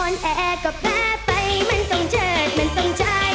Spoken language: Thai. อ่อนแอก็แพ้ไปมันต้องเจิดมันต้องจ่าย